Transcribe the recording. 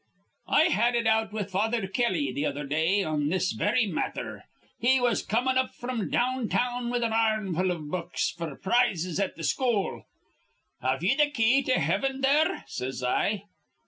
"I had it out with Father Kelly th' other day in this very matther. He was comin' up fr'm down town with an ar rmful iv books f'r prizes at th' school. 'Have ye th' Key to Heaven there?' says I.